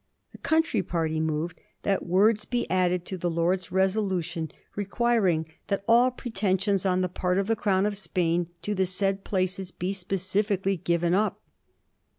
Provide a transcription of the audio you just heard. The country party moved that words be added to the Lords' resolution requiring * that all pretensions on the part of the Crown of Spain to the said places be specifi cally given up.'